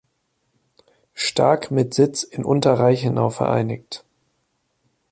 Starck" mit Sitz in Unter Reichenau vereinigt.